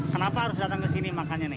kenapa harus datang ke sini makannya nih